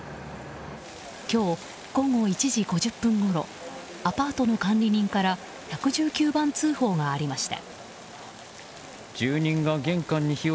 今日、午後１時５０分ごろアパートの管理人から１１９番通報がありました。